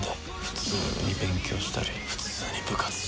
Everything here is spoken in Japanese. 「普通に勉強したり普通に部活したりよ」